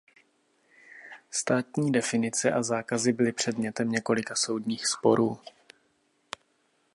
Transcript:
Státní definice a zákazy byly předmětem několika soudních sporů.